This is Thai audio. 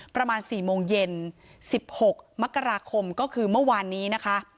ประมาณ๔โมงเย็น๑๖มกราคมก็คือเมื่อวานนี้นะคะ